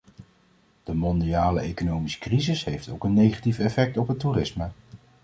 De mondiale economische crisis heeft ook een negatief effect op het toerisme.